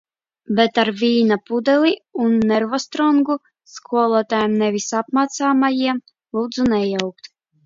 Bet ar vīna pudeli un nervostrongu. Skolotājām nevis apmācāmajiem! Lūdzu nejaukt!